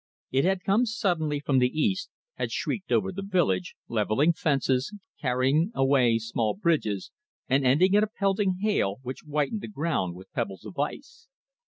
It had come suddenly from the east, had shrieked over the village, levelling fences, carrying away small bridges, and ending in a pelting hail, which whitened the ground with pebbles of ice.